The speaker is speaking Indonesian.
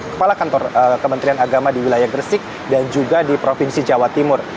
kepala kantor kementerian agama di wilayah gresik dan juga di provinsi jawa timur